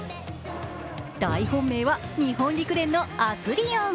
大本命は日本陸連のアスリオン。